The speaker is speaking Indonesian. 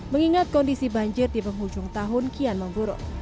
mengingat kondisi banjir di penghujung tahun kian memburuk